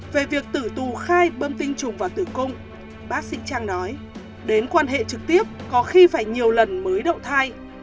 về việc tử tù khai bơm tinh trùng và tử cung bác sĩ trang nói đến quan hệ trực tiếp có khi phải nhiều lần mới đậu thai